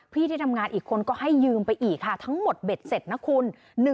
ที่ที่ทำงานอีกคนก็ให้ยืมไปอีกค่ะทั้งหมดเบ็ดเสร็จนะคุณ